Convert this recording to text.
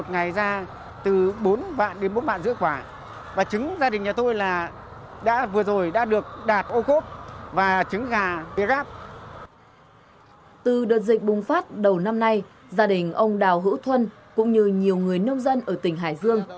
từ đợt dịch bùng phát đầu năm nay gia đình ông đào hữu thuân cũng như nhiều người nông dân ở tỉnh hải dương